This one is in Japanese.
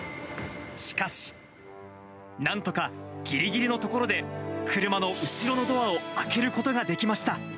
しかし、なんとかぎりぎりのところで車の後ろのドアを開けることができました。